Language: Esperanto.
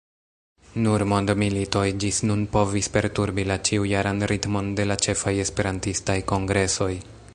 Nur mondmilitoj ĝis nun povis perturbi la ĉiujaran ritmon de la ĉefaj esperantistaj kongresoj.